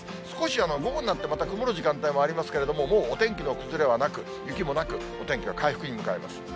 少し午後になってまた曇る時間帯もありますけれども、もうお天気の崩れはなく、雪もなく、お天気は回復に向かいます。